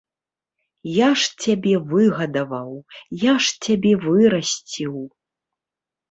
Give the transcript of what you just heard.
Я ж цябе выгадаваў, я ж цябе вырасціў.